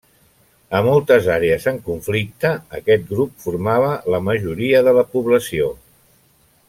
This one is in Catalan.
A moltes àrees en conflicte, aquest grup formava la majoria de la població.